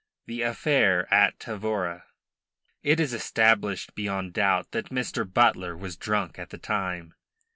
THE AFFAIR AT TAVORA It is established beyond doubt that Mr. Butler was drunk at the time.